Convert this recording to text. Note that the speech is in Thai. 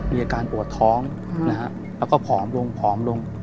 มีอาการปวดท้องแล้วก็ผอมลงผอมลง